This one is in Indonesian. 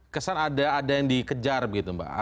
kesan ada yang dikejar begitu mbak